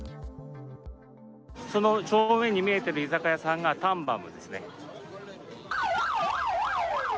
その正面に見えている居酒屋さんがタンバムですね。